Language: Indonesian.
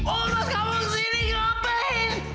omas kamu di sini ngapain